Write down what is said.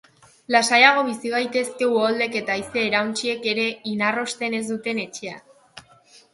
Lasaiago bizi gaitezke uholdeek eta haize-erauntsiek ere inarrosten ez duten etxean.